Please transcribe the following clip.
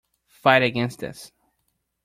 Fight against this.